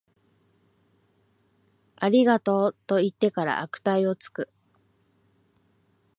ありがとう、と言ってから悪態をつく